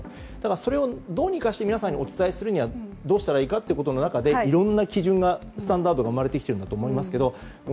それをどうにかして皆さんにお伝えするにはどうしたらいいかということの中で、いろんなスタンダードが生まれてきてるんだと思いますけど。